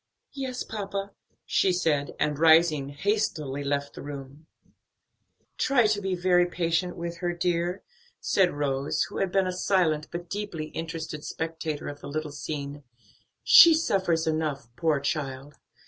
"Yes, papa," she said, and rising, hastily left the room. "Try to be very patient with her, dear," said Rose, who had been a silent, but deeply interested spectator of the little scene; "she suffers enough, poor child!"